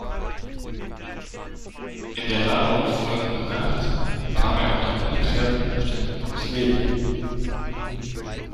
In der darauf folgenden Nacht kam er unter ungeklärten Umständen ums Leben.